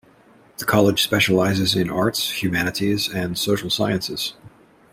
The College specialises in Arts, Humanities and Social Sciences.